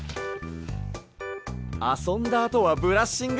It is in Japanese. あそんだあとはブラッシング。